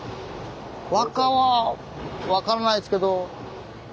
和歌は分からないですけど。